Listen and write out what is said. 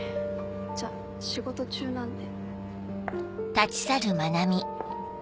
じゃ仕事中なんで。